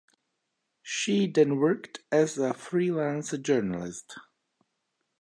She then worked as a freelance journalist.